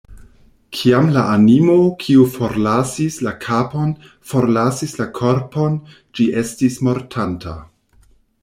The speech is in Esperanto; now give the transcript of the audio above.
Kiam la animo, kiu forlasis la kapon, forlasis la korpon, ĝi estis mortanta.